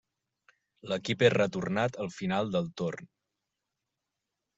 L'equip és retornat al final del torn.